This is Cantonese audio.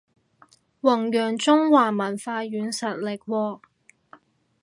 弘揚中華文化軟實力喎